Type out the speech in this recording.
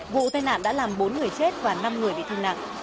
vụ tai nạn đã làm bốn người chết và năm người bị thương nặng